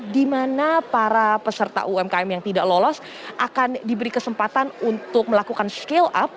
di mana para peserta umkm yang tidak lolos akan diberi kesempatan untuk melakukan scale up